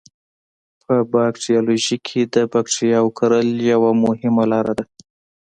په باکتریالوژي کې د بکټریاوو کرل یوه مهمه لاره ده.